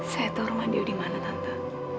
saya tahu rumah dewi di mana tante